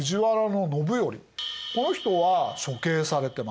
この人は処刑されてます。